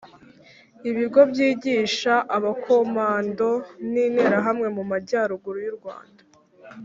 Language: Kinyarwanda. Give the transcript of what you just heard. ibigo byigisha abakomando n Interahamwe mu Majyaruguru y u Rwanda